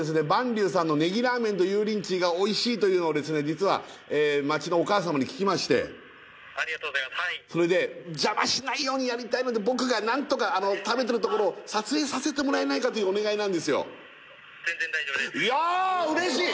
幡龍さんのネギラーメンと油淋鶏がおいしいというのを実は街のお母様に聞きましてそれで邪魔しないようにやりたいので僕が何とか食べてるところを撮影させてもらえないかというお願いなんですよいや嬉しい！